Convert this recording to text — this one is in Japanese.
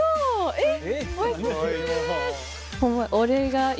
えっ！